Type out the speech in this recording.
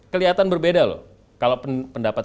kelihatan berbeda loh kalau pendapat